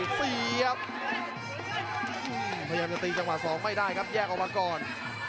เสียบพยายามจะตีจังหวะ๒ไม่ได้ครับแยกออกมาก่อน